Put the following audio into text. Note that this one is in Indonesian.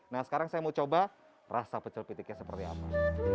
nah sekarang saya mau coba rasa pecel pitiknya seperti apa